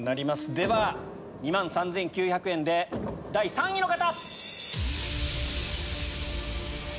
では２万３９００円で第３位の方！